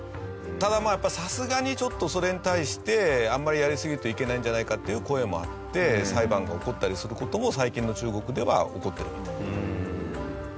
ただやっぱりさすがにちょっとそれに対してあんまりやりすぎるといけないんじゃないかっていう声もあって裁判が起こったりする事も最近の中国では起こってるみたい。